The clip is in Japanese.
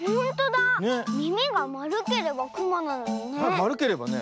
みみがまるければくまなのにね。